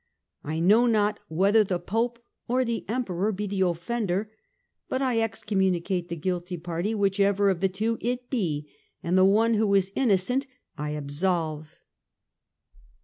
I know not whether the Pope or the Emperor be the offender ; but I excommunicate the guilty party, whichever of the two it be ; and the one who is innocent I absolve."